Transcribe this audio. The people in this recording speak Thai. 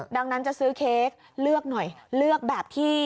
ดังนั้นจะซื้อเค้กเลือกหน่อยเลือกแบบที่